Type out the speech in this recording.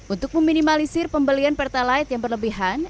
untuk meminimalisir pembelian pertalite yang berlebihan